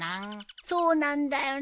そうなんだよねえ。